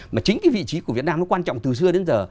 mà chính cái vị trí của việt nam nó quan trọng từ xưa đến giờ